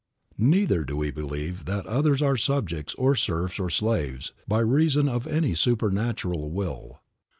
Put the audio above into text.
Neither do we believe that others are subjects or serfs or slaves by reason of any supernatural will.